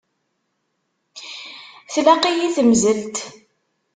Tlaq-iyi temzelt?